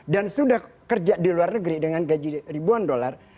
dan sudah kerja di luar negeri dengan gaji ribuan dolar